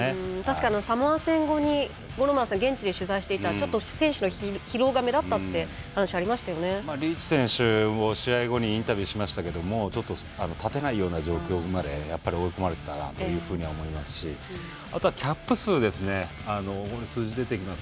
確かにサモア戦後に五郎丸さん、現地で取材していてちょっと選手の疲労が目立ったっていう話リーチ選手、試合後にインタビューしましたけど立てないような状況まで追い込まれていたと思いますしあとはキャップ数ですね。